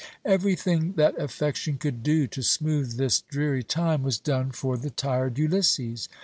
Everything that affection could do to smooth this dreary time was done for the tired Ulysses.